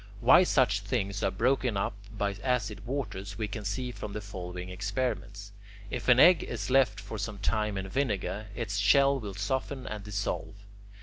Why such things are broken up by acid waters we can see from the following experiments. If an egg is left for some time in vinegar, its shell will soften and dissolve.